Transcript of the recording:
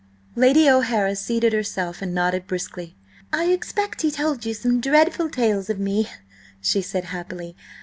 Lady O'Hara seated herself and nodded briskly. "I expect he told you some dreadful tales of me," she said happily.